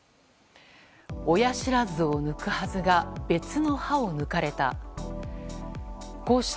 親知らずを抜くはずが別の歯を抜かれた。